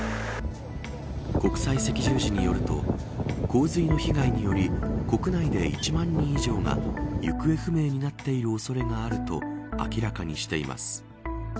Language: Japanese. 国際赤十字によると洪水の被害により国内で１万人以上が行方不明になっている恐れがあると明らかにしています。